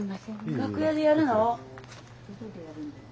楽屋でやるの？